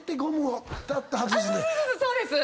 そうです！